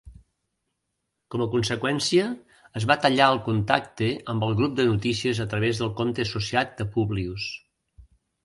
Com a conseqüència, es va tallar el contacte amb el grup de notícies a través del compte associat de Publius.